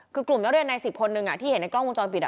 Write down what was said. คือกลุ่มนักเรียนใน๑๐คนหนึ่งที่เห็นในกล้องวงจรปิด